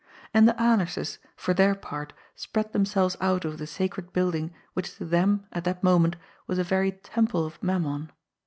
And the Alerses, for their part, spread themselves out over the sacred building which to them, at that moment, was a very temple of Mammon.